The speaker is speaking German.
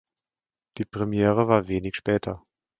Die Premiere war wenig später.